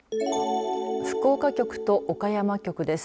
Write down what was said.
福岡局と岡山局です。